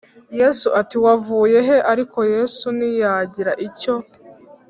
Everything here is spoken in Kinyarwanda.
Yesu ati Wavuye he Ariko Yesu ntiyagira icyo